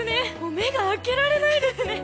目が開けられないですね。